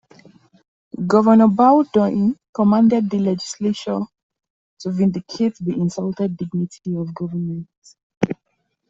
Governor Bowdoin commanded the legislature to vindicate the insulted dignity of government.